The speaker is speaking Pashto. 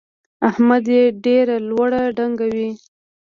احمد يې ډېره لوړه ډنګوي.